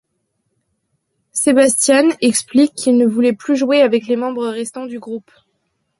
Sebastian explique qu'il ne voulait plus jouer avec les membres restants du groupe.